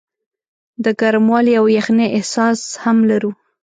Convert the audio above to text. د ګرموالي او یخنۍ احساس هم لرو.